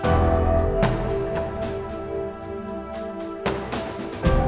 foto yang jadikan pakaian tidur warna merah